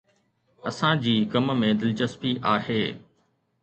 اسان جي ڪم ۾ دلچسپي آهي